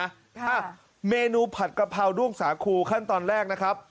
ค่ะเมนูผัดกะเพราด้วงสาคูขั้นตอนแรกนะครับ